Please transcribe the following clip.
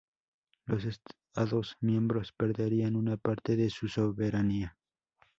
Los Estados miembros perderían una parte de su soberanía.